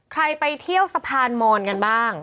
ไปเที่ยวสะพานมอนกันบ้าง